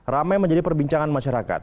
ramai menjadi perbincangan masyarakat